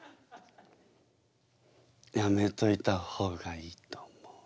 やめといた方がいいと思う。